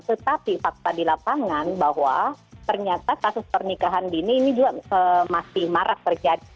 tetapi fakta di lapangan bahwa ternyata kasus pernikahan dini ini juga masih marak terjadi